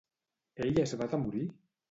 Ell es va atemorir?